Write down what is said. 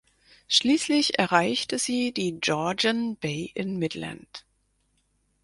Schließlich erreichte sie die Georgian Bay in Midland.